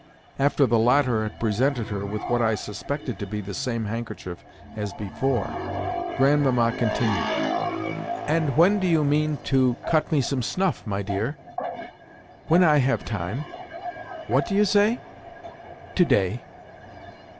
After the latter had presented her with what I suspected to be the same handkerchief as before, Grandmamma continued: "And when do you mean to cut me some snuff, my dear?" "When I have time." "What do you say?" "To day."